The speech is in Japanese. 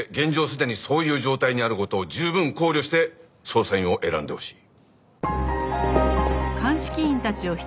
すでにそういう状態にある事を十分考慮して捜査員を選んでほしい。